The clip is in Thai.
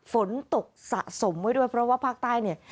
ฝนตกสะสมไว้ด้วยเพราะว่าภาคใต้เนี่ย